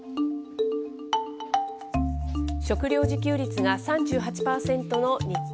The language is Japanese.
食料自給率が３８％の日本。